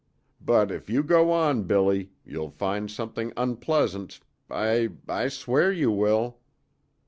But if you go on, Billy, you'll find something unpleasant I I swear you will!"